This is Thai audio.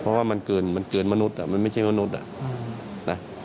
เพราะว่ามันเกินมันเกินมนุษย์มันไม่ใช่มนุษย์นะ